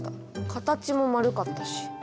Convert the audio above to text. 形も丸かったし。